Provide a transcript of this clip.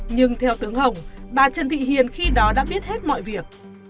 nhưng theo tướng hồng bà trần thị hiền khi đó đã biết hết mọi việc